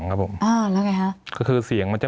มีความรู้สึกว่ามีความรู้สึกว่า